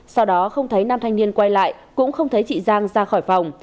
sau đó không thấy nam thanh niên quay lại cũng không thấy chị giang ra khỏi phòng